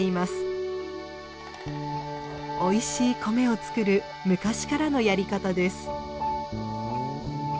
おいしい米をつくる昔からのやり方です。